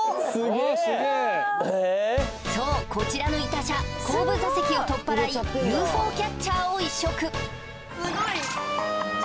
すげえそうこちらの痛車後部座席を取っ払いＵＦＯキャッチャーを移植